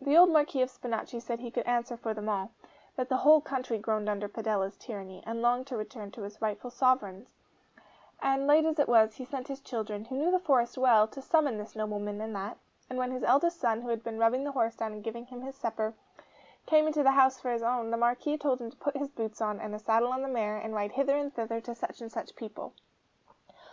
The old Marquis of Spinachi said he could answer for them all; that the whole country groaned under Padella's tyranny, and longed to return to its rightful sovereign; and late as it was, he sent his children, who knew the forest well, to summon this nobleman and that; and when his eldest son, who had been rubbing the horse down and giving him his supper, came into the house for his own, the Marquis told him to put his boots on, and a saddle on the mare, and ride hither and thither to such and such people.